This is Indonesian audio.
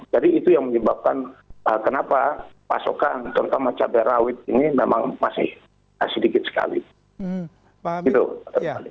jadi itu yang menyebabkan kenapa pasokan terutama cabai rawit ini memang masih sedikit sekali